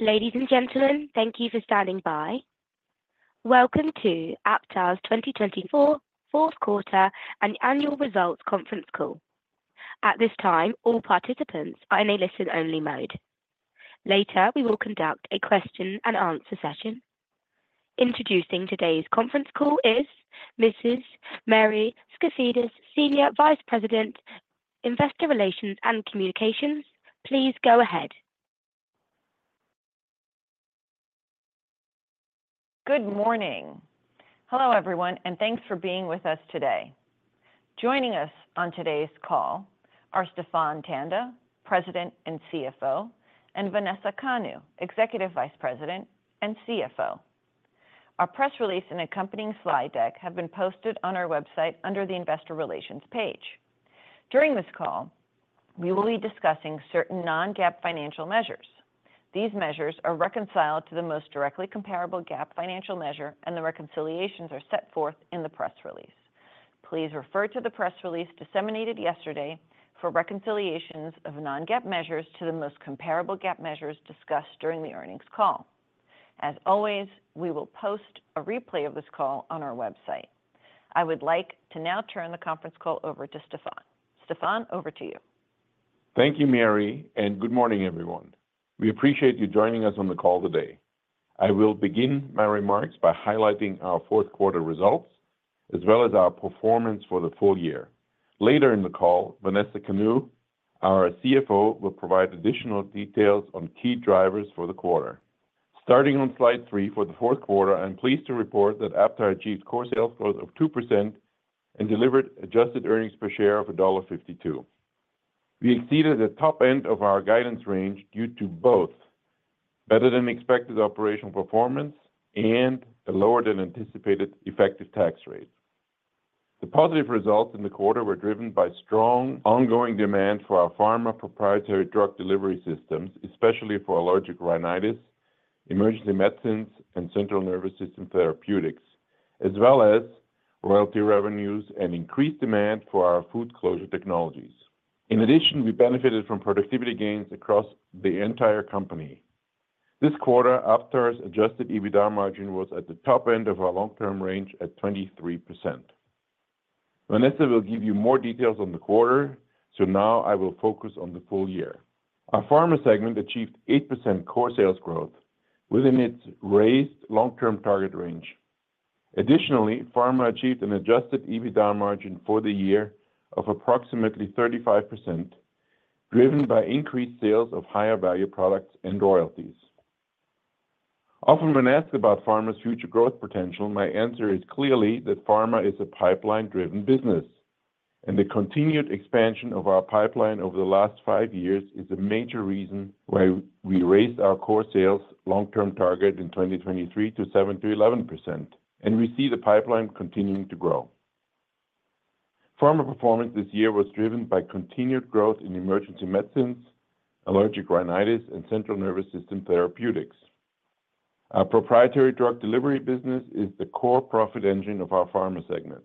Ladies and gentlemen, thank you for standing by. Welcome to Aptar's 2024 fourth quarter and annual results conference call. At this time, all participants are in a listen-only mode. Later, we will conduct a question-and-answer session. Introducing today's conference call is Mrs. Mary Skafidas, Senior Vice President, Investor Relations and Communications. Please go ahead. Good morning. Hello, everyone, and thanks for being with us today. Joining us on today's call are Stephan Tanda, President and CEO, and Vanessa Kanu, Executive Vice President and CFO. Our press release and accompanying slide deck have been posted on our website under the Investor Relations page. During this call, we will be discussing certain non-GAAP financial measures. These measures are reconciled to the most directly comparable GAAP financial measure, and the reconciliations are set forth in the press release. Please refer to the press release disseminated yesterday for reconciliations of non-GAAP measures to the most comparable GAAP measures discussed during the earnings call. As always, we will post a replay of this call on our website. I would like to now turn the conference call over to Stephan. Stephan, over to you. Thank you, Mary, and good morning, everyone. We appreciate you joining us on the call today. I will begin my remarks by highlighting our fourth quarter results, as well as our performance for the full year. Later in the call, Vanessa Kanu, our CFO, will provide additional details on key drivers for the quarter. Starting on slide three for the fourth quarter, I'm pleased to report that Aptar achieved core sales growth of 2% and delivered adjusted earnings per share of $1.52. We exceeded the top end of our guidance range due to both better-than-expected operational performance and a lower-than-anticipated effective tax rate. The positive results in the quarter were driven by strong ongoing demand for our Pharma proprietary drug delivery systems, especially for allergic rhinitis, emergency medicines, and central nervous system therapeutics, as well as royalty revenues and increased demand for our food closure technologies. In addition, we benefited from productivity gains across the entire company. This quarter, Aptar's Adjusted EBITDA margin was at the top end of our long-term range at 23%. Vanessa will give you more details on the quarter, so now I will focus on the full year. Our Pharma segment achieved 8% core sales growth within its raised long-term target range. Additionally, Pharma achieved an Adjusted EBITDA margin for the year of approximately 35%, driven by increased sales of higher value products and royalties. Often, when asked about pharma's future growth potential, my answer is clearly that pharma is a pipeline-driven business, and the continued expansion of our pipeline over the last five years is a major reason why we raised our core sales long-term target in 2023 to 7%-11%, and we see the pipeline continuing to grow. Pharma performance this year was driven by continued growth in emergency medicines, allergic rhinitis, and central nervous system therapeutics. Our proprietary drug delivery business is the core profit engine of our Pharma segment,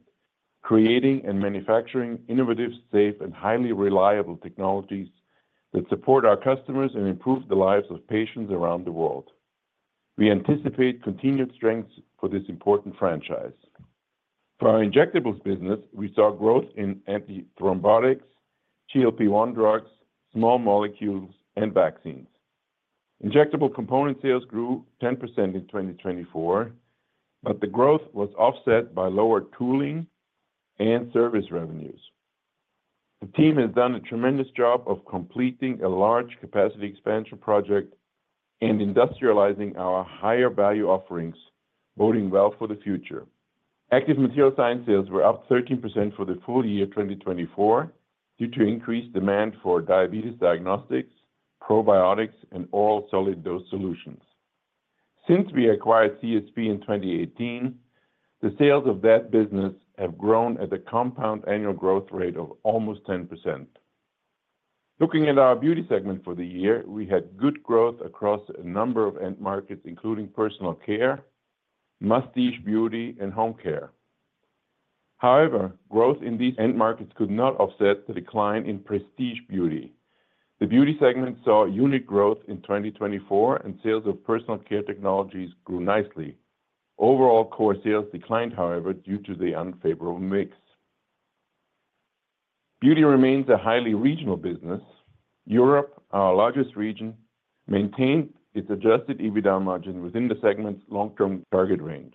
creating and manufacturing innovative, safe, and highly reliable technologies that support our customers and improve the lives of patients around the world. We anticipate continued strengths for this important franchise. For our Injectables business, we saw growth in antithrombotics, GLP-1 drugs, small molecules, and vaccines. Injectable component sales grew 10% in 2024, but the growth was offset by lower tooling and service revenues. The team has done a tremendous job of completing a large capacity expansion project and industrializing our higher value offerings, boding well for the future. Active Material Science sales were up 13% for the full year 2024 due to increased demand for diabetes diagnostics, probiotics, and oral solid dose solutions. Since we acquired CSP in 2018, the sales of that business have grown at a compound annual growth rate of almost 10%. Looking at our Beauty segment for the year, we had good growth across a number of end markets, including personal care, mastige Beauty, and home care. However, growth in these end markets could not offset the decline in prestige Beauty. The Beauty segment saw unit growth in 2024, and sales of personal care technologies grew nicely. Overall, core sales declined, however, due to the unfavorable mix. Beauty remains a highly regional business. Europe, our largest region, maintained its adjusted EBITDA margin within the segment's long-term target range.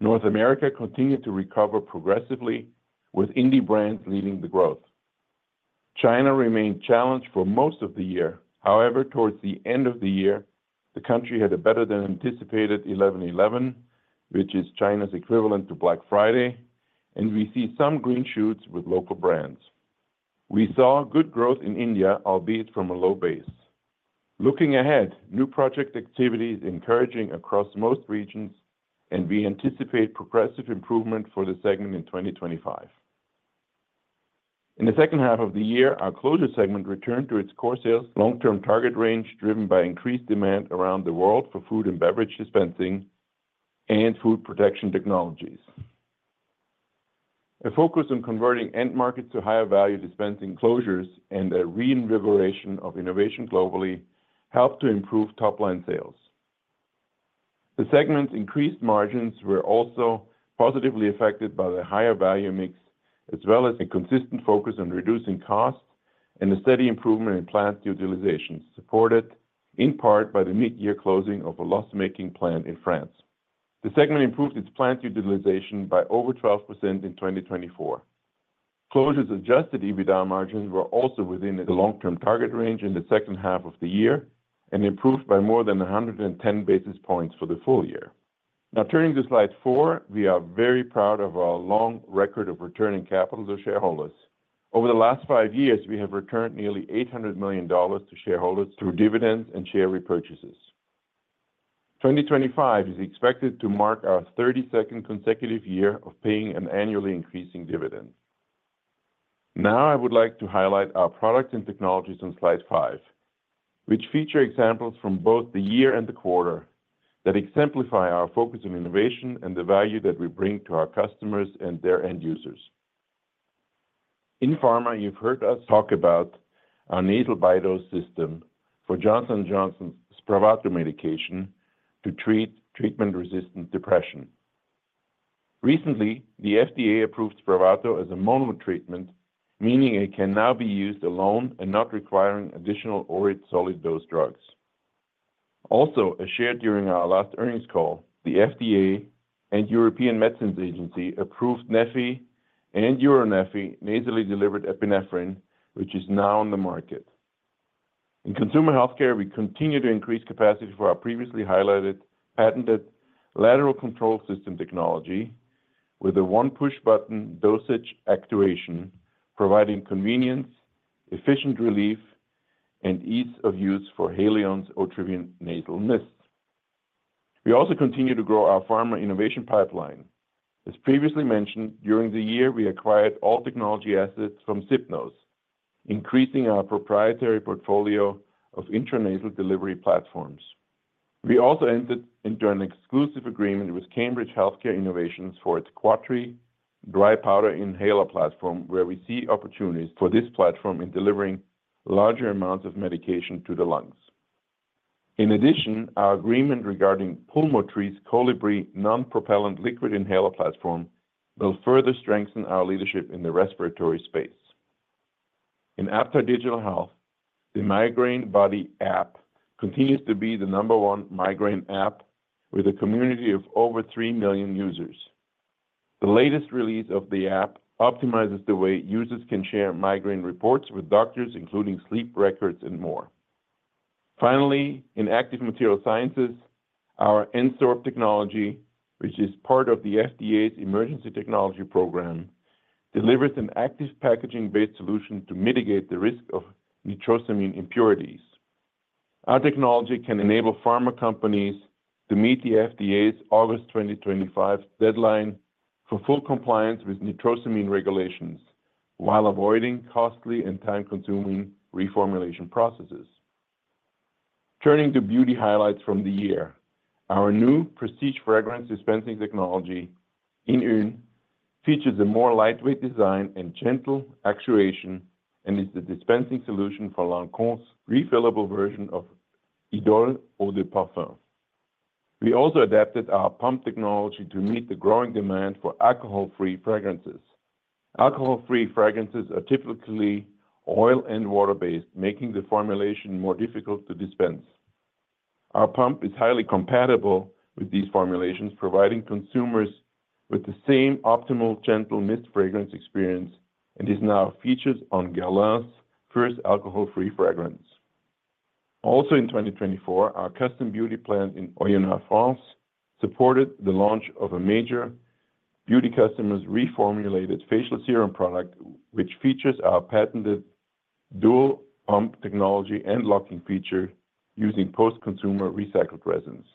North America continued to recover progressively, with indie brands leading the growth. China remained challenged for most of the year. However, towards the end of the year, the country had a better-than-anticipated 11.11, which is China's equivalent to Black Friday, and we see some green shoots with local brands. We saw good growth in India, albeit from a low base. Looking ahead, new project activity is encouraging across most regions, and we anticipate progressive improvement for the segment in 2025. In the second half of the year, our closure segment returned to its core sales long-term target range, driven by increased demand around the world for food and beverage dispensing and food protection technologies. A focus on converting end markets to higher value dispensing closures and a reinvigoration of innovation globally helped to improve top-line sales. The segment's increased margins were also positively affected by the higher value mix, as well as a consistent focus on reducing costs and a steady improvement in plant utilization, supported in part by the mid-year closing of a loss-making plant in France. The segment improved its plant utilization by over 12% in 2024. Closure-adjusted EBITDA margins were also within the long-term target range in the second half of the year and improved by more than 110 basis points for the full year. Now, turning to slide four, we are very proud of our long record of returning capital to shareholders. Over the last five years, we have returned nearly $800 million to shareholders through dividends and share repurchases. 2025 is expected to mark our 32nd consecutive year of paying an annually increasing dividend. Now, I would like to highlight our products and technologies on slide five, which feature examples from both the year and the quarter that exemplify our focus on innovation and the value that we bring to our customers and their end users. In Pharma, you've heard us talk about our Nasal BiDose system for Johnson & Johnson's Spravato medication to treat treatment-resistant depression. Recently, the FDA approved Spravato as a mono treatment, meaning it can now be used alone and not requiring additional oral solid dose drugs. Also, as shared during our last earnings call, the FDA and European Medicines Agency approved Neffy and EUR Neffy nasally delivered epinephrine, which is now on the market. In Consumer Health Care, we continue to increase capacity for our previously highlighted patented Lateral Control System technology with a one-push button dosage actuation, providing convenience, efficient relief, and ease of use for Haleon's Otrivin nasal mists. We also continue to grow our Pharma innovation pipeline. As previously mentioned, during the year, we acquired all technology assets from SipNose, increasing our proprietary portfolio of intranasal delivery platforms. We also entered into an exclusive agreement with Cambridge Healthcare Innovations for its Quattrii dry powder inhaler platform, where we see opportunities for this platform in delivering larger amounts of medication to the lungs. In addition, our agreement regarding Pulmotree Medical's Colibri non-propellant liquid inhaler platform will further strengthen our leadership in the respiratory space. In Aptar Digital Health, the MigraineBody app continues to be the number one migraine app with a community of over three million users. The latest release of the app optimizes the way users can share migraine reports with doctors, including sleep records and more. Finally, in Active Material Science, our Ensorb technology, which is part of the FDA's emergency technology program, delivers an active packaging-based solution to mitigate the risk of nitrosamine impurities. Our technology can enable Pharma companies to meet the FDA's August 2025 deadline for full compliance with nitrosamine regulations while avoiding costly and time-consuming reformulation processes. Turning to Beauty highlights from the year, our new prestige fragrance dispensing technology, Inune, features a more lightweight design and gentle actuation and is the dispensing solution for Lancôme's refillable version of Idôle Eau de Parfum. We also adapted our pump technology to meet the growing demand for alcohol-free fragrances. Alcohol-free fragrances are typically oil and water-based, making the formulation more difficult to dispense. Our pump is highly compatible with these formulations, providing consumers with the same optimal gentle mist fragrance experience and is now featured on Guerlain's first alcohol-free fragrance. Also, in 2024, our custom Beauty plant in Oyonnax supported the launch of a major Beauty customer's reformulated facial serum product, which features our patented dual pump technology and locking feature using post-consumer recycled resins.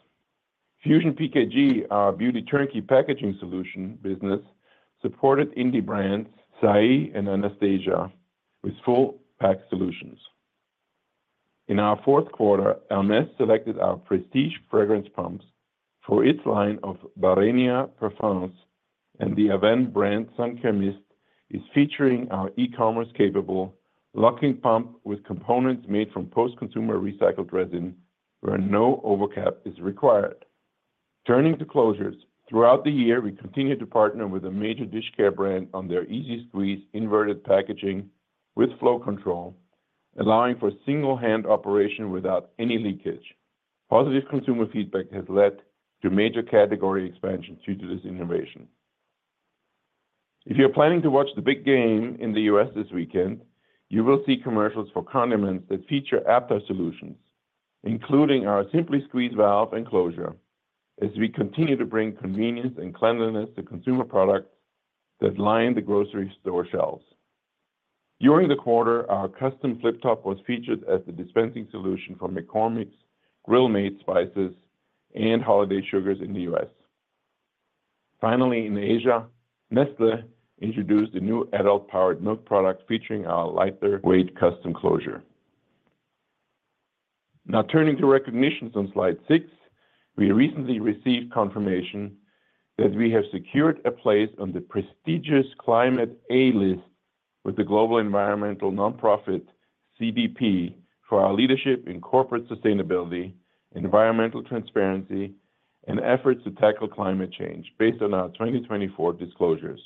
FusionPKG, our Beauty turnkey packaging solution business, supported indie brands Saie and Anastasia with full-pack solutions. In our fourth quarter, Hermès selected our prestige fragrance pumps for its line of Barenia Parfums, and the Avène brand Cicalfate+ is featuring our e-commerce-capable locking pump with components made from post-consumer recycled resin where no overcap is required. Turning to closures, throughout the year, we continued to partner with a major dish care brand on their easy-squeeze inverted packaging with flow control, allowing for single-hand operation without any leakage. Positive consumer feedback has led to major category expansion due to this innovation. If you're planning to watch the big game in the U.S. this weekend, you will see commercials for condiments that feature Aptar solutions, including our Simply Squeeze valve enclosure, as we continue to bring convenience and cleanliness to consumer products that line the grocery store shelves. During the quarter, our custom flip-top was featured as the dispensing solution for McCormick's grill-made spices and holiday sugars in the U.S. Finally, in Asia, Nestlé introduced a new adult-powered milk product featuring our lighter-weight custom closure. Now, turning to recognitions on slide six, we recently received confirmation that we have secured a place on the prestigious Climate A list with the global environmental nonprofit CDP for our leadership in corporate sustainability, environmental transparency, and efforts to tackle climate change based on our 2024 disclosures.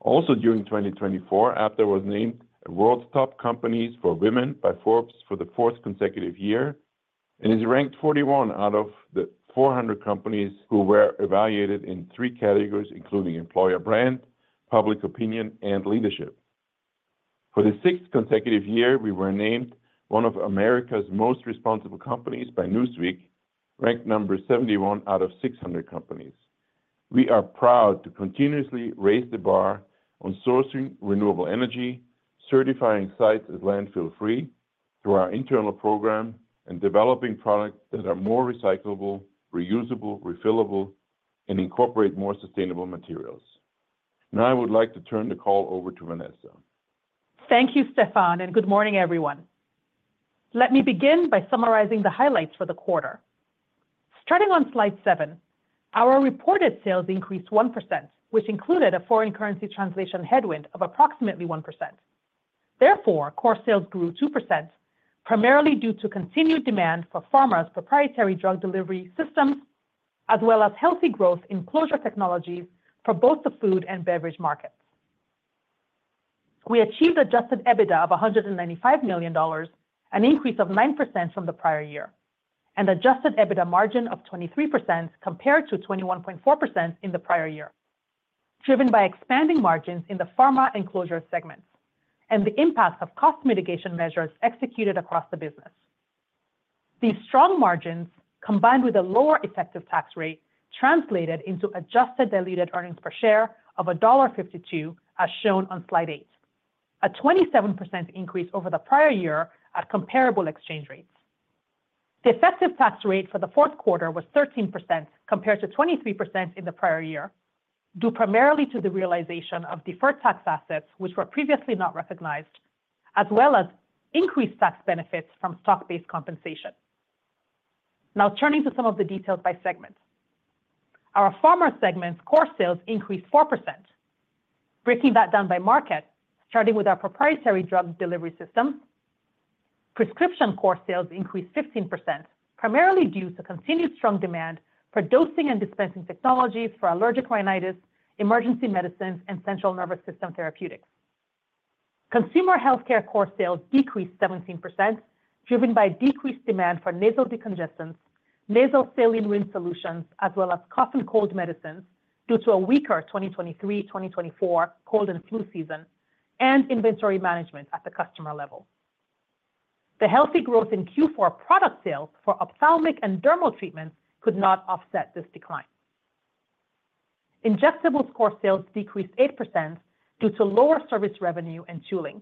Also, during 2024, Aptar was named one of the world's top companies for women by Forbes for the fourth consecutive year and is ranked 41 out of the 400 companies who were evaluated in three categories, including employer brand, public opinion, and leadership. For the sixth consecutive year, we were named one of America's most responsible companies by Newsweek, ranked number 71 out of 600 companies. We are proud to continuously raise the bar on sourcing renewable energy, certifying sites as landfill-free through our internal program, and developing products that are more recyclable, reusable, refillable, and incorporate more sustainable materials. Now, I would like to turn the call over to Vanessa. Thank you, Stephan, and good morning, everyone. Let me begin by summarizing the highlights for the quarter. Starting on slide seven, our reported sales increased 1%, which included a foreign currency translation headwind of approximately 1%. Therefore, core sales grew 2%, primarily due to continued demand for Pharma's proprietary drug delivery systems, as well as healthy growth in closure technologies for both the food and beverage markets. We achieved adjusted EBITDA of $195 million, an increase of 9% from the prior year, and adjusted EBITDA margin of 23% compared to 21.4% in the prior year, driven by expanding margins in the Pharma and closure segments and the impact of cost mitigation measures executed across the business. These strong margins, combined with a lower effective tax rate, translated into adjusted diluted earnings per share of $1.52, as shown on slide eight, a 27% increase over the prior year at comparable exchange rates. The effective tax rate for the fourth quarter was 13% compared to 23% in the prior year, due primarily to the realization of deferred tax assets, which were previously not recognized, as well as increased tax benefits from stock-based compensation. Now, turning to some of the details by segment, our Pharma segment's core sales increased 4%. Breaking that down by market, starting with our proprietary drug delivery systems, prescription core sales increased 16%, primarily due to continued strong demand for dosing and dispensing technologies for allergic rhinitis, emergency medicines, and central nervous system therapeutics. Consumer healthcare core sales decreased 17%, driven by decreased demand for nasal decongestants, nasal saline rinse solutions, as well as cough and cold medicines due to a weaker 2023-2024 cold and flu season and inventory management at the customer level. The healthy growth in Q4 product sales for ophthalmic and dermal treatments could not offset this decline. Ingestibles core sales decreased 8% due to lower service revenue and tooling.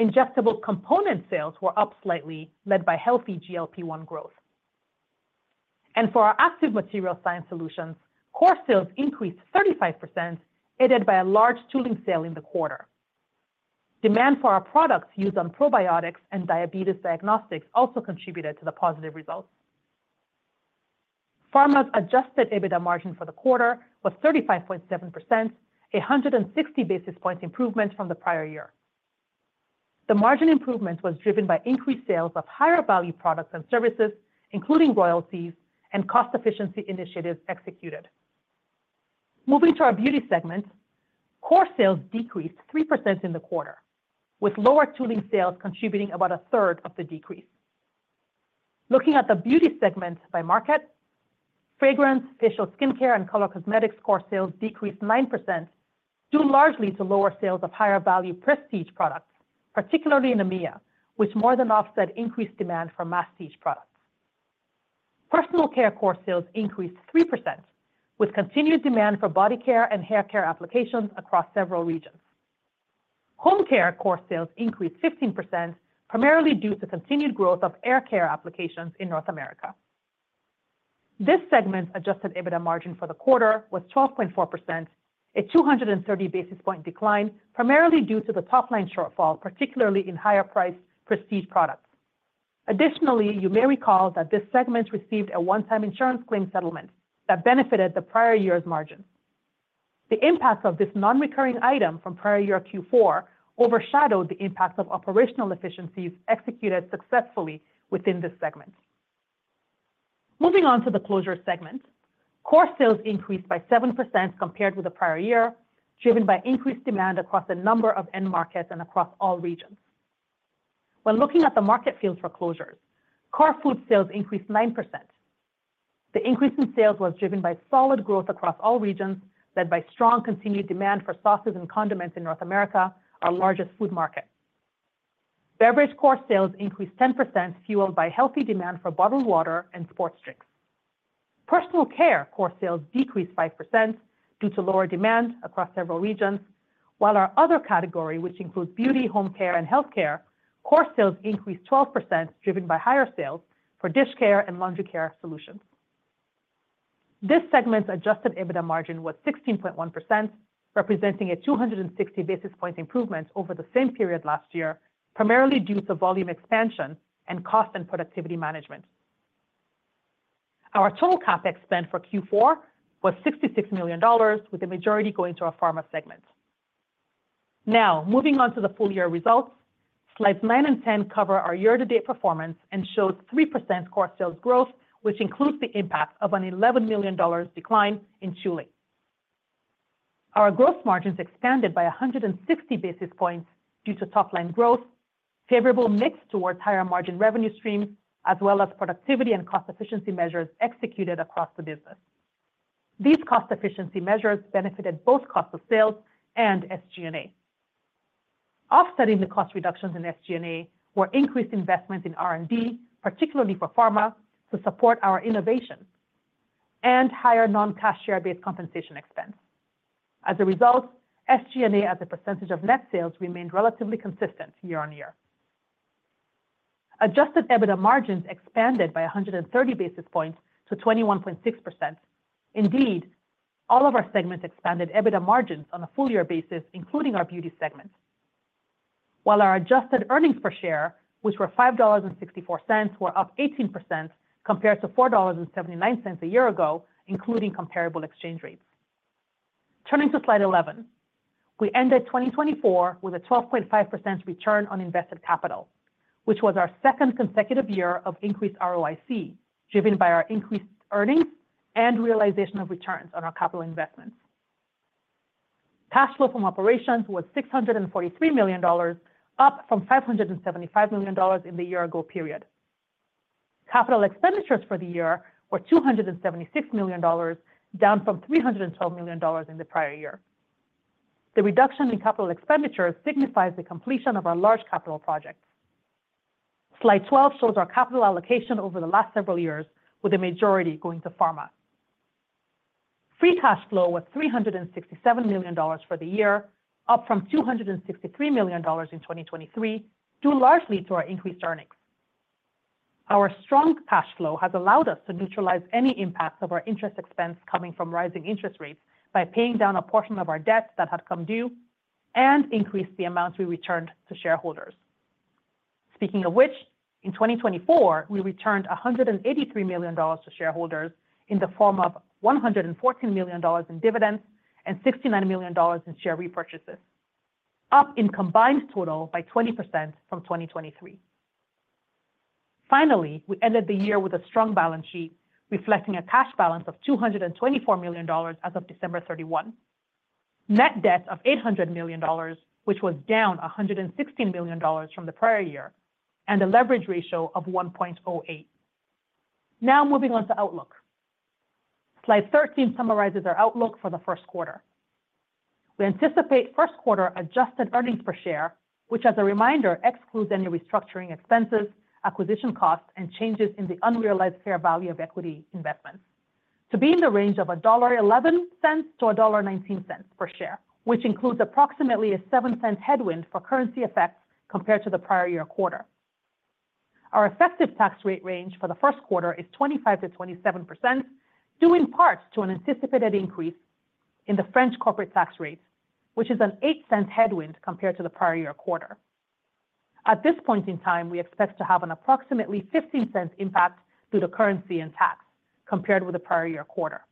Ingestible component sales were up slightly, led by healthy GLP-1 growth. For our Active Material Science solutions, core sales increased 35%, aided by a large tooling sale in the quarter. Demand for our products used on probiotics and diabetes diagnostics also contributed to the positive results. Pharma's adjusted EBITDA margin for the quarter was 35.7%, a 160 basis points improvement from the prior year. The margin improvement was driven by increased sales of higher value products and services, including royalties and cost-efficiency initiatives executed. Moving to our Beauty segment, core sales decreased 3% in the quarter, with lower tooling sales contributing about a third of the decrease. Looking at the Beauty segment by market, fragrance, facial skincare, and color cosmetics core sales decreased 9%, due largely to lower sales of higher value prestige products, particularly Namia, which more than offset increased demand for mastige products. Personal care core sales increased 3%, with continued demand for body care and hair care applications across several regions. Home care core sales increased 15%, primarily due to continued growth of hair care applications in North America. This segment's adjusted EBITDA margin for the quarter was 12.4%, a 230 basis point decline, primarily due to the top-line shortfall, particularly in higher-priced prestige products. Additionally, you may recall that this segment received a one-time insurance claim settlement that benefited the prior year's margins. The impact of this non-recurring item from prior year Q4 overshadowed the impact of operational efficiencies executed successfully within this segment. Moving on to the closure segment, core sales increased by 7% compared with the prior year, driven by increased demand across a number of end markets and across all regions. When looking at the uncertain for closures, core food sales increased 9%. The increase in sales was driven by solid growth across all regions, led by strong continued demand for sauces and condiments in North America, our largest food market. Beverage core sales increased 10%, fueled by healthy demand for bottled water and sports drinks. Personal care core sales decreased 5% due to lower demand across several regions, while our other category, which includes Beauty, home care, and healthcare, core sales increased 12%, driven by higher sales for dish care and laundry care solutions. This segment's adjusted EBITDA margin was 16.1%, representing a 260 basis point improvement over the same period last year, primarily due to volume expansion and cost and productivity management. Our total CapEx spent for Q4 was $66 million, with the majority going to our Pharma segment. Now, moving on to the full year results, slides nine and 10 cover our year-to-date performance and show 3% core sales growth, which includes the impact of an $11 million decline in tooling. Our gross margins expanded by 160 basis points due to top-line growth, favorable mix towards higher margin revenue streams, as well as productivity and cost-efficiency measures executed across the business. These cost-efficiency measures benefited both cost of sales and SG&A. Offsetting the cost reductions in SG&A were increased investments in R&D, particularly for Pharma, to support our innovation and higher non-cash share-based compensation expense. As a result, SG&A as a percentage of net sales remained relatively consistent year on year. Adjusted EBITDA margins expanded by 130 basis points to 21.6%. Indeed, all of our segments expanded EBITDA margins on a full year basis, including our Beauty segment, while our adjusted earnings per share, which were $5.64, were up 18% compared to $4.79 a year ago, including comparable exchange rates. Turning to slide 11, we ended 2024 with a 12.5% return on invested capital, which was our second consecutive year of increased ROIC, driven by our increased earnings and realization of returns on our capital investments. Cash flow from operations was $643 million, up from $575 million in the year-ago period. Capital expenditures for the year were $276 million, down from $312 million in the prior year. The reduction in capital expenditures signifies the completion of our large capital projects. Slide 12 shows our capital allocation over the last several years, with the majority going to Pharma. Free cash flow was $367 million for the year, up from $263 million in 2023, due largely to our increased earnings. Our strong cash flow has allowed us to neutralize any impacts of our interest expense coming from rising interest rates by paying down a portion of our debt that had come due and increased the amounts we returned to shareholders. Speaking of which, in 2024, we returned $183 million to shareholders in the form of $114 million in dividends and $69 million in share repurchases, up in combined total by 20% from 2023. Finally, we ended the year with a strong balance sheet, reflecting a cash balance of $224 million as of December 31, net debt of $800 million, which was down $116 million from the prior year, and a leverage ratio of 1.08. Now, moving on to outlook. Slide 13 summarizes our outlook for the first quarter. We anticipate first quarter adjusted earnings per share, which, as a reminder, excludes any restructuring expenses, acquisition costs, and changes in the unrealized fair value of equity investments, to be in the range of $1.11-$1.19 per share, which includes approximately a 7% headwind for currency effects compared to the prior year quarter. Our effective tax rate range for the first quarter is 25%-27%, due in part to an anticipated increase in the French corporate tax rate, which is an 8% headwind compared to the prior year quarter. At this point in time, we expect to have an approximately 15% impact due to currency and tax compared with the prior year quarter.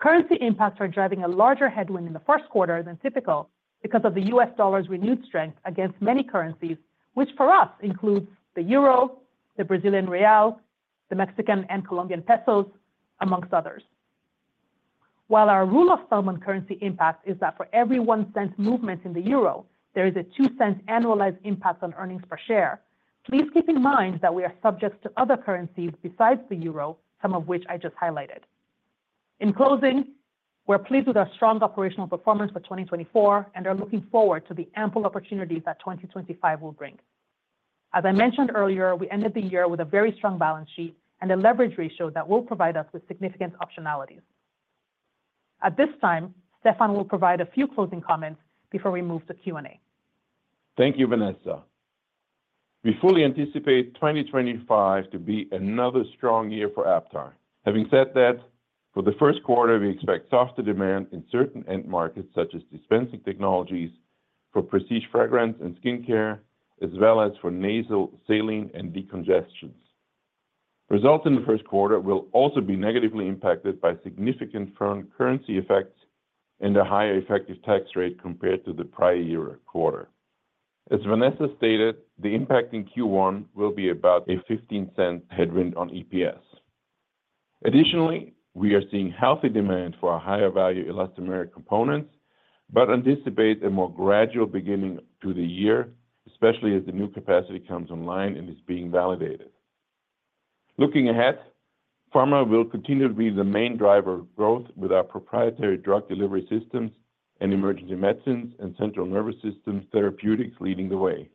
Currency impacts are driving a larger headwind in the first quarter than typical because of the U.S. dollar's renewed strength against many currencies, which for us includes the euro, the Brazilian real, the Mexican and Colombian pesos, among others. While our rule of thumb on currency impact is that for every one cent movement in the euro, there is a two cent annualized impact on earnings per share, please keep in mind that we are subject to other currencies besides the euro, some of which I just highlighted. In closing, we're pleased with our strong operational performance for 2024 and are looking forward to the ample opportunities that 2025 will bring. As I mentioned earlier, we ended the year with a very strong balance sheet and a leverage ratio that will provide us with significant optionalities. At this time, Stephan will provide a few closing comments before we move to Q&A. Thank you, Vanessa. We fully anticipate 2025 to be another strong year for Aptar. Having said that, for the first quarter, we expect softer demand in certain end markets, such as dispensing technologies for prestige fragrance and skincare, as well as for nasal saline and decongestions. Results in the first quarter will also be negatively impacted by significant foreign currency effects and a higher effective tax rate compared to the prior year quarter. As Vanessa stated, the impact in Q1 will be about a $0.15 headwind on EPS. Additionally, we are seeing healthy demand for our higher value elastomeric components, but anticipate a more gradual beginning to the year, especially as the new capacity comes online and is being validated. Looking ahead, Pharma will continue to be the main driver of growth with our proprietary drug delivery systems and emergency medicines and central nervous system therapeutics leading the way.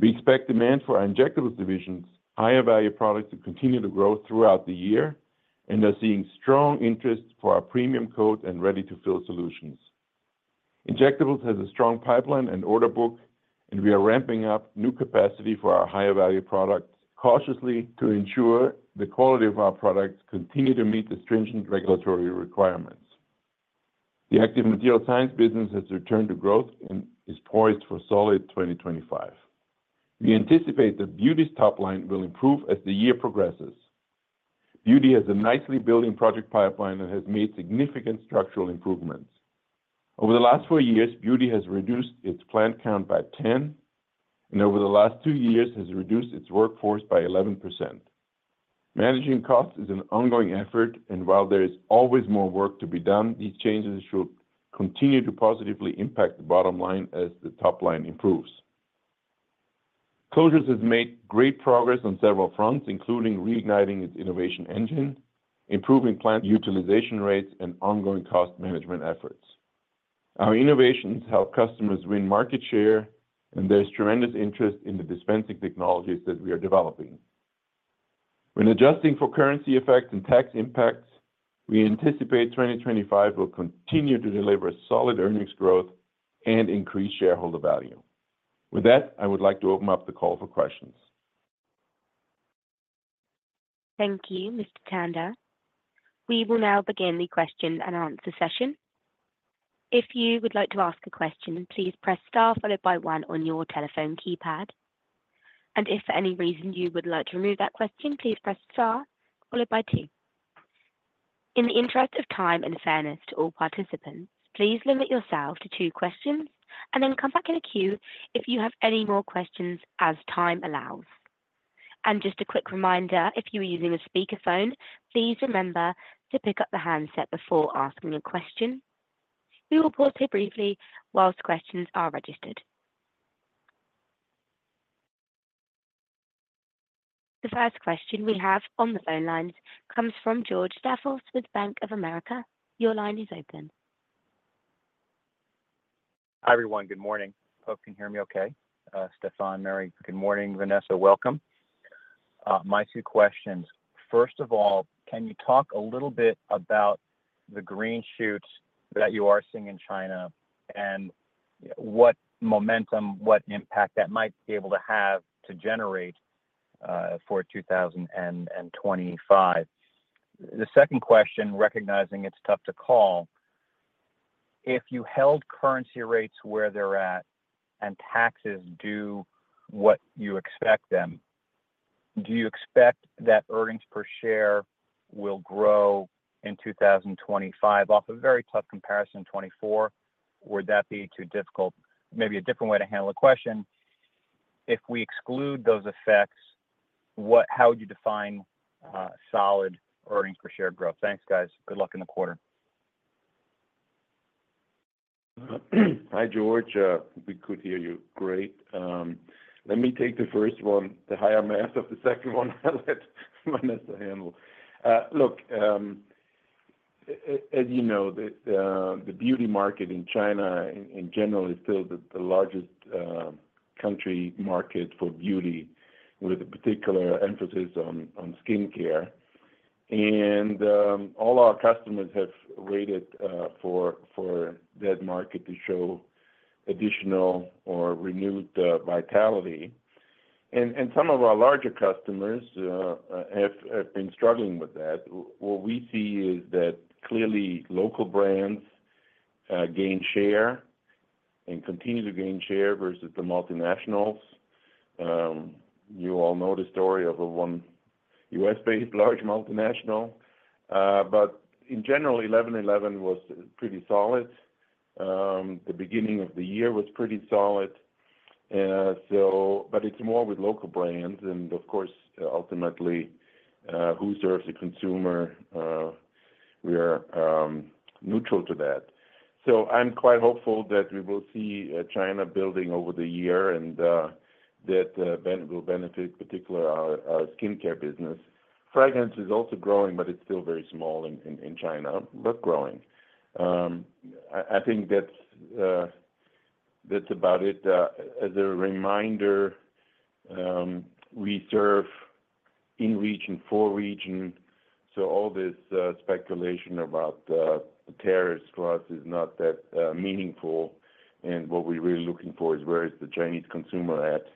We expect demand for ourInjectables division's, higher value products to continue to grow throughout the year, and are seeing strong interest for our Premium Coat and ready-to-fill solutions. Injectables has a strong pipeline and order book, and we are ramping up new capacity for our higher value products cautiously to ensure the quality of our products continue to meet the stringent regulatory requirements. The Active Material Science business has returned to growth and is poised for solid 2025. We anticipate that Beauty's top line will improve as the year progresses. Beauty has a nicely building project pipeline and has made significant structural improvements. Over the last four years, Beauty has reduced its plant count by 10, and over the last two years, has reduced its workforce by 11%. Managing costs is an ongoing effort, and while there is always more work to be done, these changes should continue to positively impact the bottom line as the top line improves. Closures have made great progress on several fronts, including reigniting its innovation engine, improving plant utilization rates, and ongoing cost management efforts. Our innovations help customers win market share, and there's tremendous interest in the dispensing technologies that we are developing. When adjusting for currency effects and tax impacts, we anticipate 2025 will continue to deliver solid earnings growth and increased shareholder value. With that, I would like to open up the call for questions. Thank you, Mr. Tanda. We will now begin the question and answer session. If you would like to ask a question, please press star followed by one on your telephone keypad. And if for any reason you would like to remove that question, please press star followed by two. In the interest of time and fairness to all participants, please limit yourself to two questions and then come back in a queue if you have any more questions as time allows. And just a quick reminder, if you are using a speakerphone, please remember to pick up the handset before asking a question. We will pause here briefly whilst questions are registered. The first question we have on the phone lines comes from George Staphos with Bank of America. Your line is open. Hi everyone. Good morning. Hope you can hear me okay. Stephan, Mary, good morning. Vanessa, welcome. My two questions. First of all, can you talk a little bit about the green shoots that you are seeing in China and what momentum, what impact that might be able to have to generate for 2025? The second question, recognizing it's tough to call, if you held currency rates where they're at and taxes do what you expect them, do you expect that earnings per share will grow in 2025 off a very tough comparison in 2024? Would that be too difficult? Maybe a different way to handle the question. If we exclude those effects, how would you define solid earnings per share growth? Thanks, guys. Good luck in the quarter. Hi, George. We could hear you great. Let me take the first one. The latter half of the second one I'll let Vanessa handle. Look, as you know, the Beauty market in China in general is still the largest country market for Beauty, with a particular emphasis on skincare, and all our customers have waited for that market to show additional or renewed vitality, and some of our larger customers have been struggling with that. What we see is that clearly local brands gain share and continue to gain share versus the multinationals. You all know the story of one U.S.-based large multinational, but in general, 11/11 was pretty solid. The beginning of the year was pretty solid, but it's more with local brands, and of course, ultimately, who serves the consumer? We are neutral to that, so I'm quite hopeful that we will see China building over the year and that that will benefit particularly our skincare business. Fragrance is also growing, but it's still very small in China, but growing. I think that's about it. As a reminder, we serve in region, for region. So all this speculation about tariffs for us is not that meaningful, and what we're really looking for is where is the Chinese consumer at.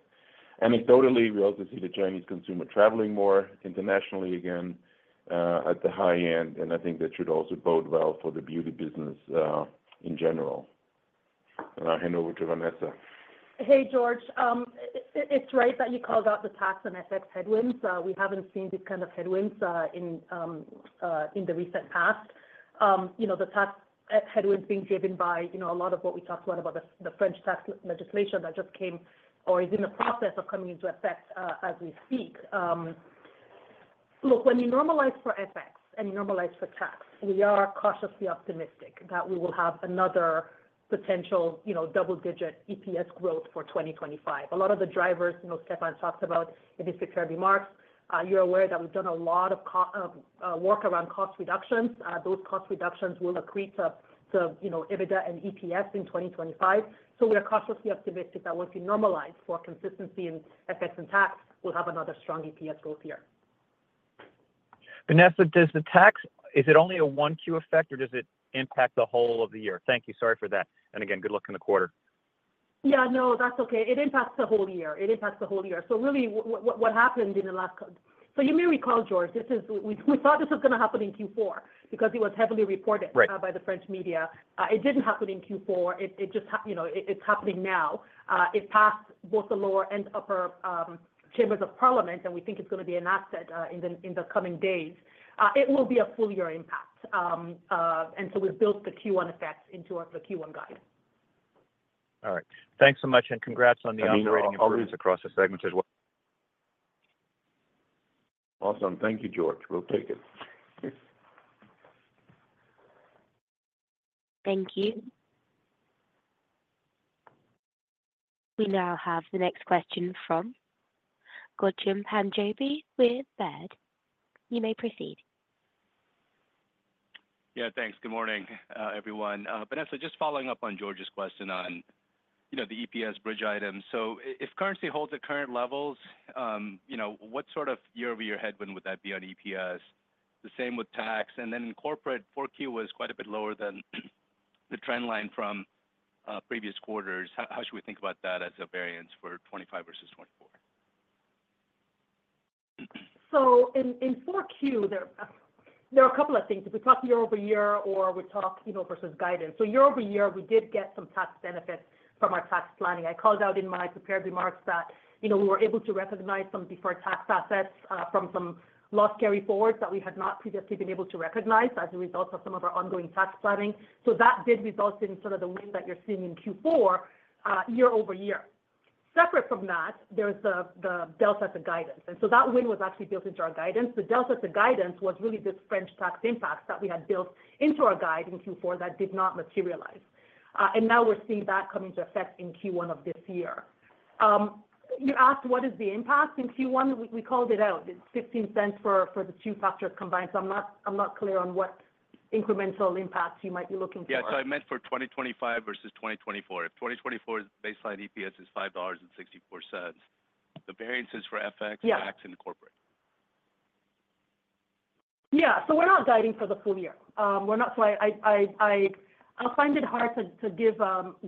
Anecdotally, we also see the Chinese consumer traveling more internationally again at the high end, and I think that should also bode well for the Beauty business in general, and I'll hand over to Vanessa. Hey, George. It's great that you called out the tax and FX headwinds. We haven't seen this kind of headwinds in the recent past. The tax headwinds being driven by a lot of what we talked about, about the French tax legislation that just came or is in the process of coming into effect as we speak. Look, when you normalize for effects and you normalize for tax, we are cautiously optimistic that we will have another potential double-digit EPS growth for 2025. A lot of the drivers Stephan talked about in his prepared remarks. You are aware that we have done a lot of work around cost reductions. Those cost reductions will accrete to EBITDA and EPS in 2025. So we are cautiously optimistic that once we normalize for consistency in effects and tax, we will have another strong EPS growth here. Vanessa, does the tax is it only a 1Q effect, or does it impact the whole of the year? Thank you. Sorry for that. And again, good luck in the quarter. Yeah, no, that is okay. It impacts the whole year. It impacts the whole year. So really, what happened in the last—so you may recall, George, this is—we thought this was going to happen in Q4 because it was heavily reported by the French media. It didn't happen in Q4. It's happening now. It passed both the lower and upper chambers of parliament, and we think it's going to be an asset in the coming days. It will be a full-year impact. And so we've built the Q1 effects into the Q1 guide. All right. Thanks so much, and congrats on the uncertain I'll read across the segment as well. Awesome. Thank you, George. We'll take it. Thank you. We now have the next question from Ghansham Panjabi with Baird. You may proceed. Yeah, thanks. Good morning, everyone. Vanessa, just following up on George's question on the EPS bridge items. So if currency holds at current levels, what sort of year-over-year headwind would that be on EPS? The same with tax. And then in corporate, 4Q was quite a bit lower than the trend line from previous quarters. How should we think about that as a variance for 2025 versus 2024? So in 4Q, there are a couple of things. If we talk year-over-year or we talk versus guidance. So year-over-year, we did get some tax benefits from our tax planning. I called out in my prepared remarks that we were able to recognize some deferred tax assets from some loss carry forwards that we had not previously been able to recognize as a result of some of our ongoing tax planning. So that did result in sort of the win that you're seeing in Q4 year-over-year. Separate from that, there's the delta to guidance. That win was actually built into our guidance. The delta to guidance was really this French tax impact that we had built into our guide in Q4 that did not materialize. Now we're seeing that coming into effect in Q1 of this year. You asked what is the impact in Q1? We called it out. It's $0.15 for the two factors combined. So I'm not clear on what incremental impact you might be looking for. Yeah. So I meant for 2025 versus 2024. If 2024's baseline EPS is $5.64, the variance is for FX, tax, and corporate. Yeah. So we're not guiding for the full year. I'll find it hard to give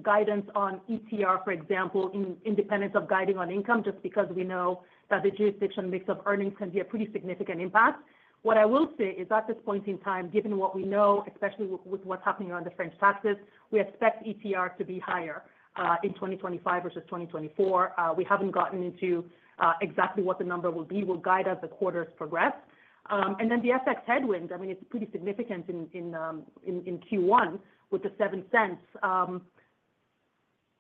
guidance on ETR, for example, independent of guiding on income, just because we know that the jurisdiction mix of earnings can be a pretty significant impact. What I will say is at this point in time, given what we know, especially with what's happening around the French taxes, we expect ETR to be higher in 2025 versus 2024. We haven't gotten into exactly what the number will be. We'll guide as the quarters progress. And then the FX headwind, I mean, it's pretty significant in Q1 with the $0.07.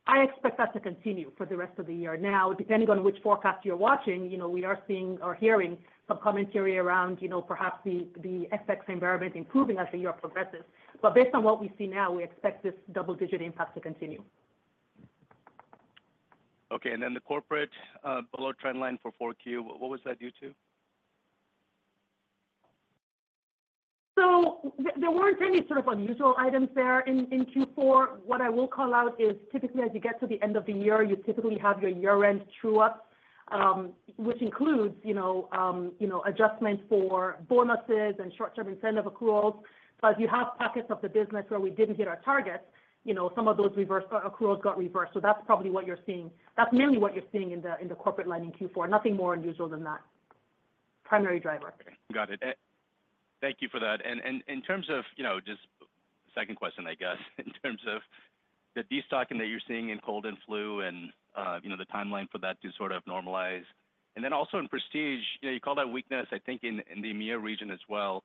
I expect that to continue for the rest of the year. Now, depending on which forecast you're watching, we are seeing or hearing some commentary around perhaps the FX environment improving as the year progresses. But based on what we see now, we expect this double-digit impact to continue. Okay. And then the corporate below trend line for 4Q, what was that due to? So there weren't any sort of unusual items there in Q4. What I will call out is typically as you get to the end of the year, you typically have your year-end true-ups, which includes adjustments for bonuses and short-term incentive accruals. But if you have pockets of the business where we didn't hit our targets, some of those accruals got reversed. So that's probably what you're seeing. That's mainly what you're seeing in the corporate line in Q4. Nothing more unusual than that. Primary driver. Got it. Thank you for that. And in terms of just second question, I guess, in terms of the de-stocking that you're seeing in cold and flu and the timeline for that to sort of normalize. And then also in prestige, you called out weakness, I think, in the MEA region as well.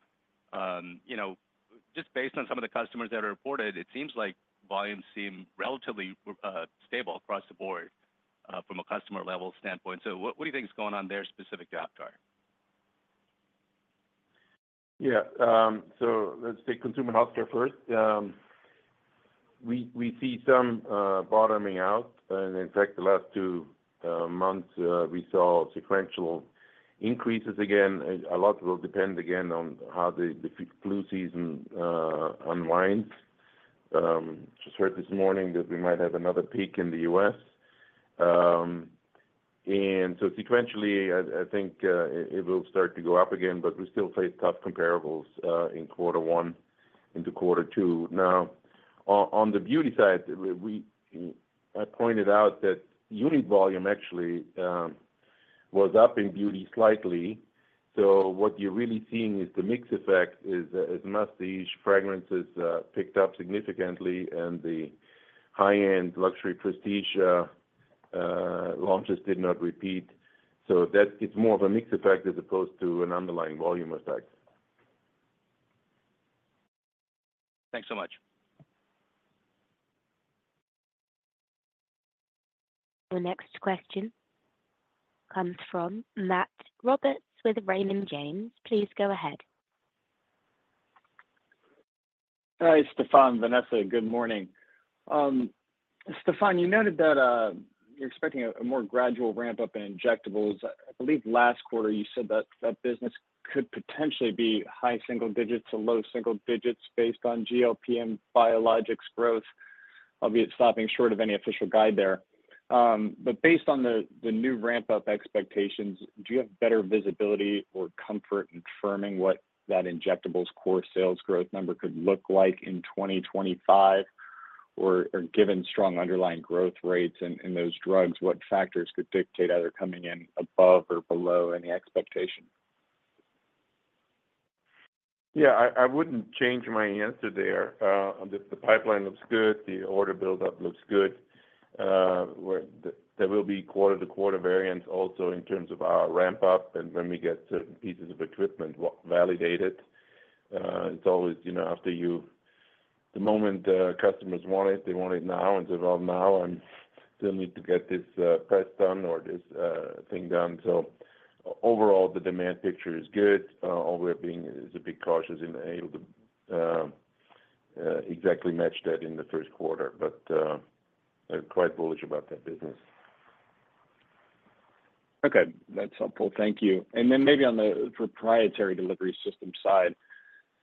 Just based on some of the customers that are reported, it seems like volumes seem relatively stable across the board from a customer-level standpoint. So what do you think is going on there specific to Aptar? Yeah. So let's take Consumer Health Care first. We see some bottoming out. In fact, the last two months, we saw sequential increases again. A lot will depend again on how the flu season unwinds. Just heard this morning that we might have another peak in the U.S. Sequentially, I think it will start to go up again, but we still face tough comparables in quarter one into quarter two. Now, on the Beauty side, I pointed out that unit volume actually was up in Beauty slightly. What you're really seeing is the mix effect is Masstige's fragrances picked up significantly, and the high-end luxury prestige launches did not repeat. So it's more of a mix effect as opposed to an underlying volume effect. Thanks so much. The next question comes from Matt Roberts with Raymond James. Please go ahead. Hi, Stephan. Vanessa, good morning. Stephan, you noted that you're expecting a more gradual ramp up in Injectables. I believe last quarter you said that that business could potentially be high single digits to low single digits based on GLP and biologics growth, albeit stopping short of any official guide there. But based on the new ramp-up expectations, do you have better visibility or comfort in affirming what that Injectables core sales growth number could look like in 2025? Or given strong underlying growth rates in those drugs, what factors could dictate either coming in above or below any expectation? Yeah. I wouldn't change my answer there. The pipeline looks good. The order buildup looks good. There will be quarter-to-quarter variance also in terms of our ramp-up and when we get certain pieces of equipment validated. It's always after the moment customers want it; they want it now, and say, "Well, now I still need to get this press done or this thing done." So overall, the demand picture is good. All we're being is a bit cautious in our ability to exactly match that in the first quarter, but quite bullish about that business. Okay. That's helpful. Thank you. And then maybe on the proprietary delivery system side,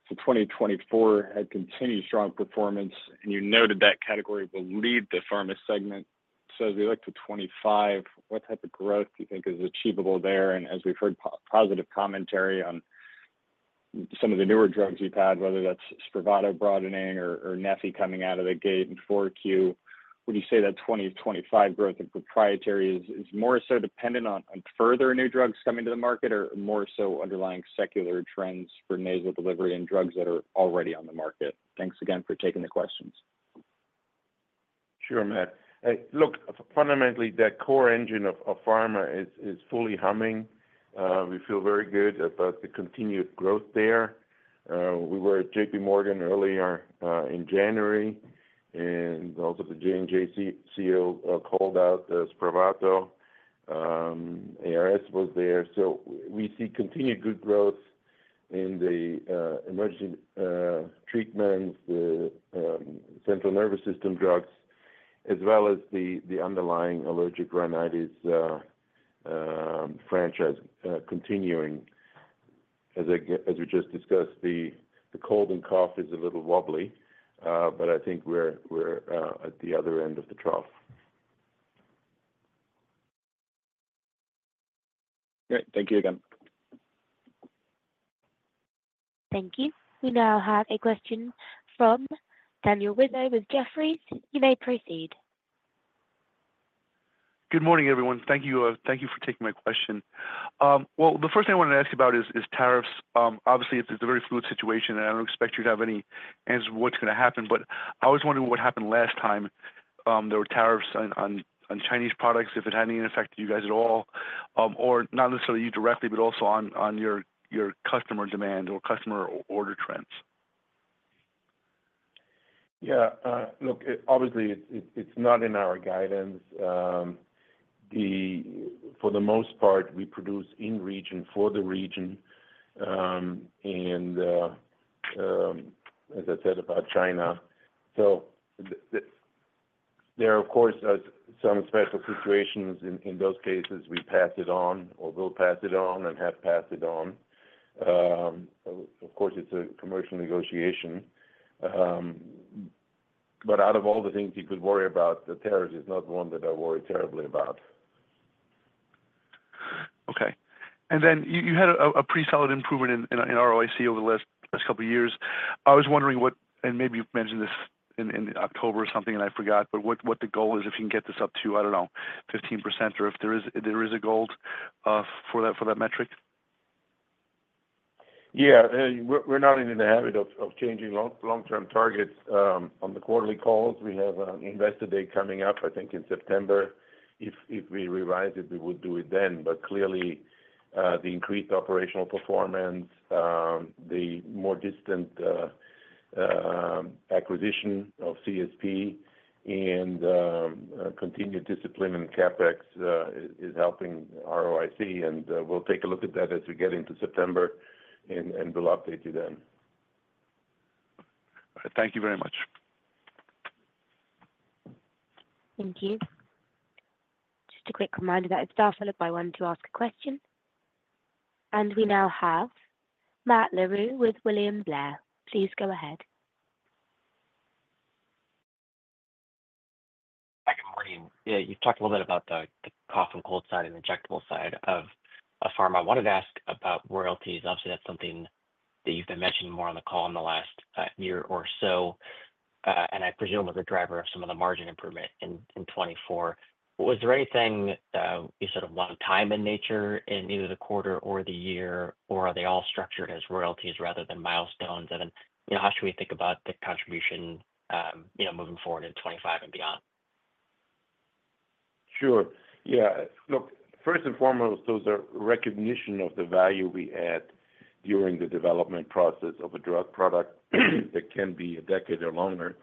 for 2024, it had continued strong performance, and you noted that category will lead the Pharma segment. So as we look to 2025, what type of growth do you think is achievable there? As we've heard positive commentary on some of the newer drugs you've had, whether that's Spravato broadening or Neffy coming out of the gate in 4Q, would you say that 2025 growth in proprietary is more so dependent on further new drugs coming to the market or more so underlying secular trends for nasal delivery and drugs that are already on the market? Thanks again for taking the questions. Sure, Matt. Look, fundamentally, that core engine of Pharma is fully humming. We feel very good about the continued growth there. We were at JP Morgan earlier in January, and also the J&J CEO called out Spravato. ARS was there. So we see continued good growth in the emergency treatments, the central nervous system drugs, as well as the underlying allergic rhinitis franchise continuing. As we just discussed, the cold and cough is a little wobbly, but I think we're at the other end of the trough. Great. Thank you again. Thank you. We now have a question from Daniel Rizzo with Jefferies. You may proceed. Good morning, everyone. Thank you for taking my question. Well, the first thing I wanted to ask about is tariffs. Obviously, it's a very fluid situation, and I don't expect you to have any answers to what's going to happen, but I was wondering what happened last time there were tariffs on Chinese products, if it had any effect on you guys at all, or not necessarily you directly, but also on your customer demand or customer order trends. Yeah. Look, obviously, it's not in our guidance. For the most part, we produce in-region for the region. As I said about China, so there, of course, are some special situations. In those cases, we pass it on or will pass it on and have passed it on. Of course, it's a commercial negotiation. But out of all the things you could worry about, the tariff is not one that I worry terribly about. Okay. Then you had a pretty solid improvement in ROIC over the last couple of years. I was wondering what, and maybe you mentioned this in October or something, and I forgot, but what the goal is if you can get this up to, I don't know, 15% or if there is a goal for that metric? Yeah. We're not in the habit of changing long-term targets on the quarterly calls. We have an investor day coming up, I think, in September. If we revise it, we would do it then. But clearly, the increased operational performance, the most recent acquisition of CSP, and continued discipline in CapEx is helping ROIC. And we'll take a look at that as we get into September, and we'll update you then. Thank you very much. Thank you. Just a quick reminder that it's star one to ask a question. And we now have Matt Larew with William Blair. Please go ahead. Hi, good morning. Yeah. You talked a little bit about the cough and cold side and injectable side of Pharma. I wanted to ask about royalties. Obviously, that's something that you've been mentioning more on the call in the last year or so, and I presume was a driver of some of the margin improvement in 2024. Was there anything you sort of want to mention in either the quarter or the year, or are they all structured as royalties rather than milestones? And then how should we think about the contribution moving forward in 2025 and beyond? Sure. Yeah. Look, first and foremost, those are recognition of the value we add during the development process of a drug product that can be a decade or longer.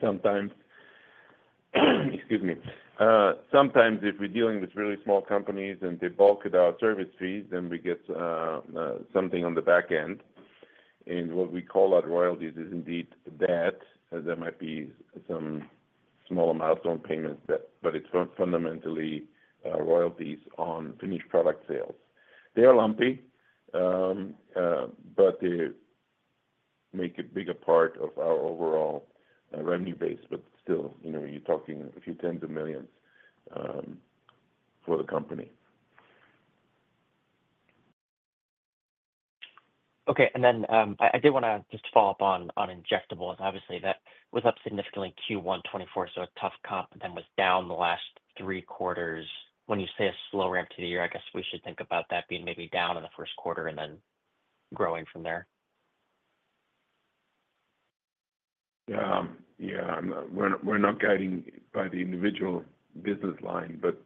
Sometimes, excuse me, sometimes if we're dealing with really small companies and they bill it out as service fees, then we get something on the back end. And what we call our royalties is indeed that, as there might be some small milestone payments, but it's fundamentally royalties on finished product sales. They're lumpy, but they make up a bigger part of our overall revenue base. But still, you're talking a few tens of millions for the company. Okay. And then I did want to just follow up on Injectables. Obviously, that was up significantly Q1 2024, so a tough comp, then was down the last three quarters. When you say a slow ramp to the year, I guess we should think about that being maybe down in the first quarter and then growing from there. Yeah. We're not guiding by the individual business line, but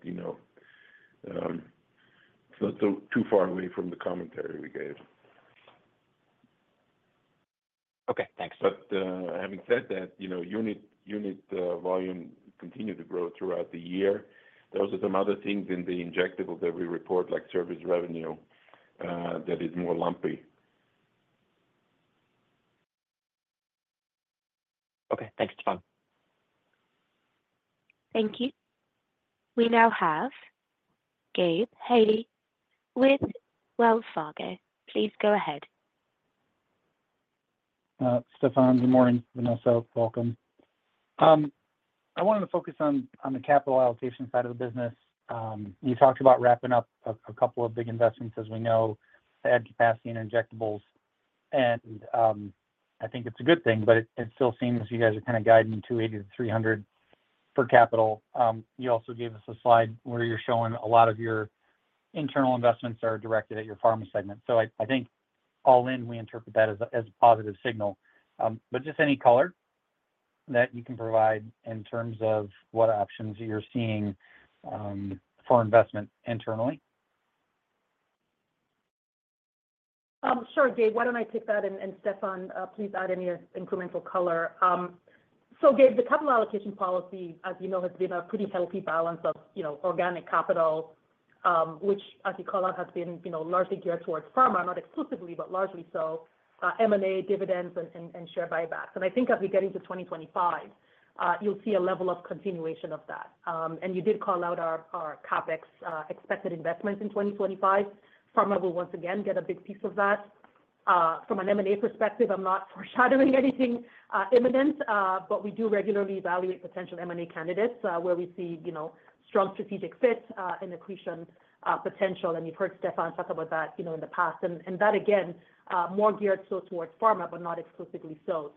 so too far away from the commentary we gave. Okay. Thanks. But having said that, unit volume continued to grow throughout the year. Those are some other things in the injectable that we report, like service revenue, that is more lumpy. Okay. Thanks, Stephan. Thank you. We now have Gabe Hajde with Wells Fargo. Please go ahead. Stephan, good morning. Vanessa, welcome. I wanted to focus on the capital allocation side of the business. You talked about wrapping up a couple of big investments, as we know, to add capacity in Injectables, and I think it's a good thing, but it still seems you guys are kind of guiding $280-$300 per capital. You also gave us a slide where you're showing a lot of your internal investments are directed at your Pharma segment, so I think all in, we interpret that as a positive signal, but just any color that you can provide in terms of what options you're seeing for investment internally. Sure, Gabe. Why don't I take that, and Stephan, please add any incremental color, so Gabe, the capital allocation policy, as you know, has been a pretty healthy balance of organic capital, which, as you call out, has been largely geared towards Pharma, not exclusively, but largely so: M&A, dividends, and share buybacks. I think as we get into 2025, you'll see a level of continuation of that. You did call out our CapEx expected investments in 2025. Pharma will once again get a big piece of that. From an M&A perspective, I'm not foreshadowing anything imminent, but we do regularly evaluate potential M&A candidates where we see strong strategic fit and accretion potential. You've heard Stephan talk about that in the past. That, again, more geared so towards pharma, but not exclusively so.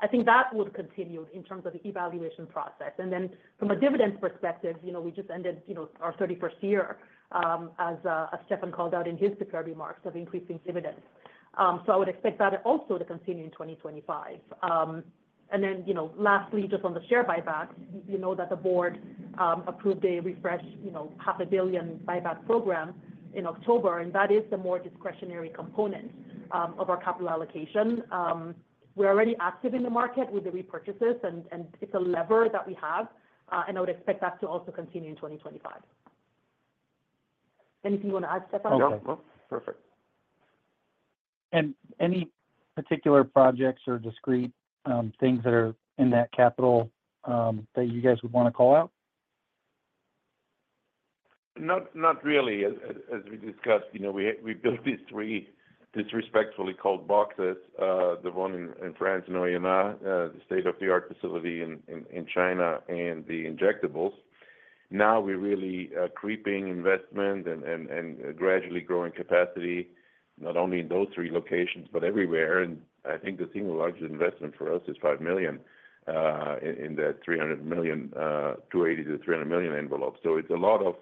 I think that would continue in terms of the evaluation process. Then from a dividends perspective, we just ended our 31st year, as Stephan called out in his prepared remarks, of increasing dividends. I would expect that also to continue in 2025. And then lastly, just on the share buybacks, you know that the board approved a refreshed $500 million buyback program in October, and that is the more discretionary component of our capital allocation. We're already active in the market with the repurchases, and it's a lever that we have, and I would expect that to also continue in 2025. Anything you want to add, Stephan? No, no. Perfect. And any particular projects or discrete things that are in that capital that you guys would want to call out? Not really. As we discussed, we built these three disrespectfully called boxes: the one in France in Oyonnax, the state-of-the-art facility in China, and the Injectables. Now we're really creeping investment and gradually growing capacity, not only in those three locations, but everywhere. I think the single largest investment for us is $5 million in that $300 million, $280-$300 million envelope. It's a lot of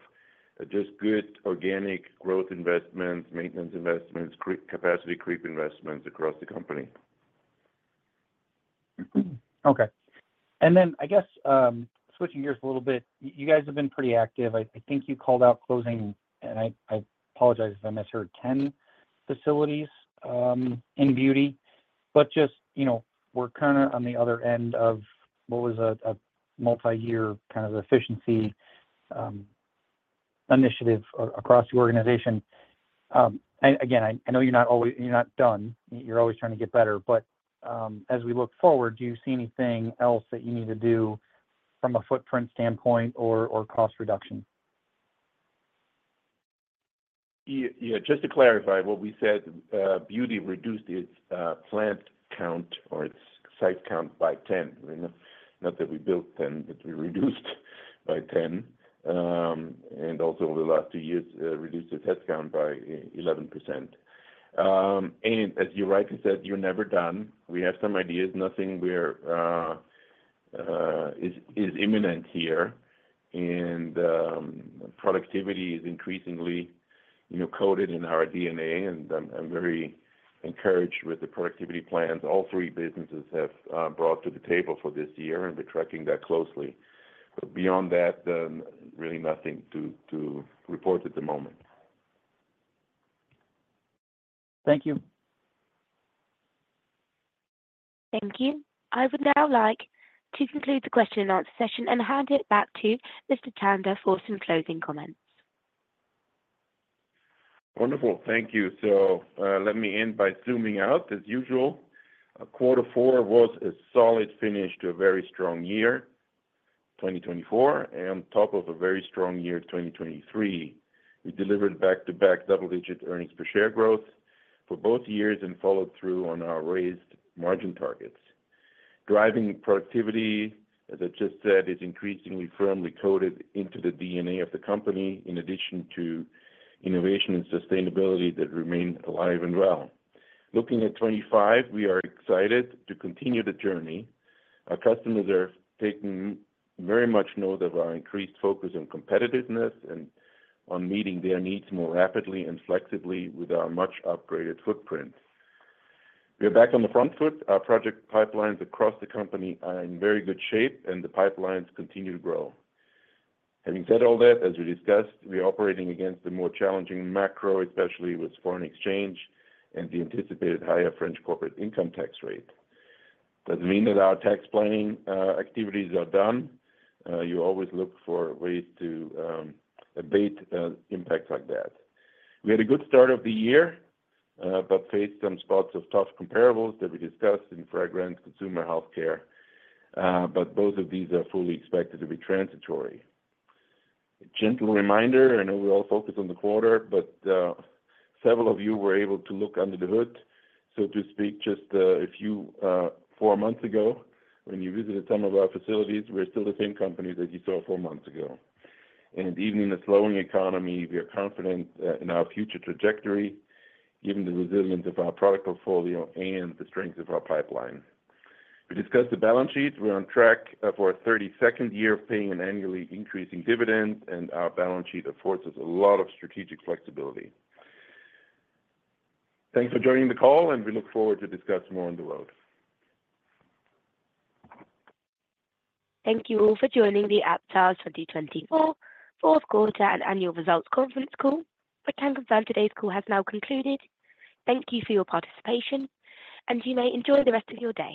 just good organic growth investments, maintenance investments, capacity creep investments across the company. Okay. I guess switching gears a little bit, you guys have been pretty active. I think you called out closing, and I apologize if I misheard, 10 facilities in Beauty. Just we're kind of on the other end of what was a multi-year kind of efficiency initiative across the organization. Again, I know you're not done. You're always trying to get better. As we look forward, do you see anything else that you need to do from a footprint standpoint or cost reduction? Yeah. Just to clarify what we said, Beauty reduced its plant count or its site count by 10. Not that we built 10, but we reduced by 10. And also over the last two years, reduced its headcount by 11%. And as you rightly said, you're never done. We have some ideas. Nothing is imminent here. And productivity is increasingly coded in our DNA, and I'm very encouraged with the productivity plans. All three businesses have brought to the table for this year, and we're tracking that closely. But beyond that, really nothing to report at the moment. Thank you. Thank you. I would now like to conclude the question and answer session and hand it back to Mr. Tanda for some closing comments. Wonderful. Thank you. So let me end by zooming out, as usual. Quarter four was a solid finish to a very strong year, 2024, and on top of a very strong year, 2023. We delivered back-to-back double-digit earnings per share growth for both years and followed through on our raised margin targets. Driving productivity, as I just said, is increasingly firmly coded into the DNA of the company, in addition to innovation and sustainability that remain alive and well. Looking at 2025, we are excited to continue the journey. Our customers are taking very much note of our increased focus on competitiveness and on meeting their needs more rapidly and flexibly with our much upgraded footprint. We are back on the front foot. Our project pipelines across the company are in very good shape, and the pipelines continue to grow. Having said all that, as we discussed, we are operating against a more challenging macro, especially with foreign exchange and the anticipated higher French corporate income tax rate. Doesn't mean that our tax planning activities are done. You always look for ways to abate impacts like that. We had a good start of the year but faced some spots of tough comparables that we discussed in fragrance, Consumer Health Care, but both of these are fully expected to be transitory. A gentle reminder, I know we're all focused on the quarter, but several of you were able to look under the hood, so to speak, just four months ago when you visited some of our facilities. We're still the same company that you saw four months ago, and even in a slowing economy, we are confident in our future trajectory, given the resilience of our product portfolio and the strength of our pipeline. We discussed the balance sheet. We're on track for a 32nd year of paying an annually increasing dividends, and our balance sheet affords us a lot of strategic flexibility. Thanks for joining the call, and we look forward to discussing more on the road. Thank you all for joining the Aptar’s 2024 Fourth Quarter and Annual Results Conference call. We can confirm today's call has now concluded. Thank you for your participation, and you may enjoy the rest of your day.